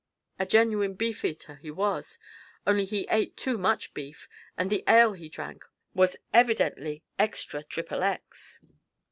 A genuine beefeater he was, only he ate too much beef and the ale he drank was evidently Extra XXX.